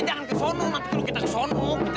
ya ampun kerver ini manis